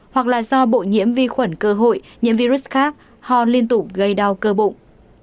hoặc là do bộ nhiễm vi khuẩn cơ hội nhiễm virus khác họ liên tục gây đau cơ bụng